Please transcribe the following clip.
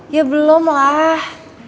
ya belum lah